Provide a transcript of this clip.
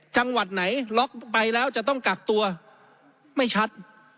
จังหวัดไหนล็อกไปแล้วจะต้องกักตัวไม่ชัด